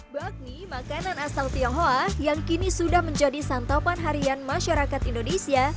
bakmi makanan asal tionghoa yang kini sudah menjadi santapan harian masyarakat indonesia